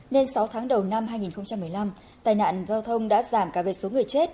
nên sáu tháng đầu năm hai nghìn một mươi năm tai nạn giao thông đã giảm cả về số người chết